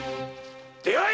出会え！